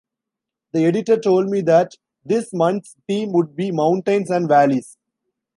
The editor told me that this month’s theme would be mountains and valleys.